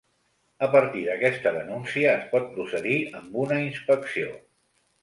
A partir d’aquesta denúncia, es pot procedir amb una inspecció.